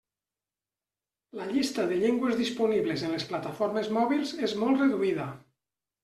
La llista de llengües disponibles en les plataformes mòbils és molt reduïda.